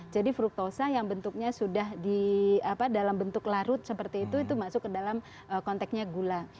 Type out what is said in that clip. jadi fruktosa yang bentuknya sudah di dalam bentuk larut seperti itu itu masuk ke dalam konteknya gula